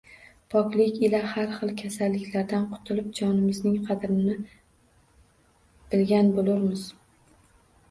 Poklik ila har xil kasallardan qutulub, jonimizning qadrini bilgan bo’lurmiz